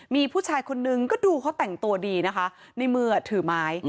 มีผู้ชายคนนึงก็ดูเขาแต่งตัวดีนะคะในมือถือไม้